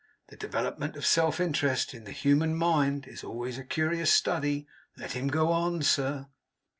The development of self interest in the human mind is always a curious study. Let him go on, sir.